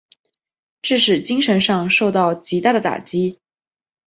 致使精神上受到极大的打击。